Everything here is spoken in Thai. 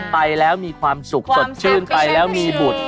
ไปแล้วมีความสุขสดชื่นไปแล้วมีบุตร